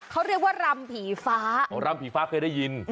เขาเรียกว่ารำผีฟ้าอ๋อรำผีฟ้าเคยได้ยิน